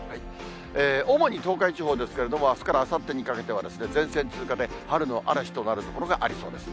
主に東海地方ですけれども、あすからあさってにかけては、前線通過で、春の嵐となる所がありそうです。